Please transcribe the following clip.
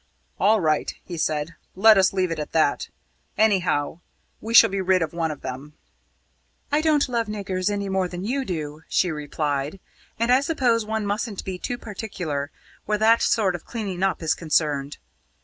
"All right," he said, "let us leave it at that. Anyhow, we shall be rid of one of them!" "I don't love niggers any more than you do," she replied, "and I suppose one mustn't be too particular where that sort of cleaning up is concerned."